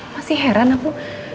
masih heran aku